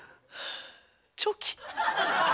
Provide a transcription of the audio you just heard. チョキ？